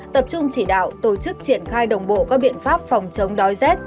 tập trung chỉ đạo tổ chức triển khai đồng bộ các biện pháp phòng chống đói rét